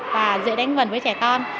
và dễ đánh vần với trẻ con